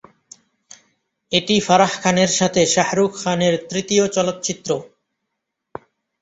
এটি ফারাহ খানের সাথে শাহরুখ খানের তৃতীয় চলচ্চিত্র।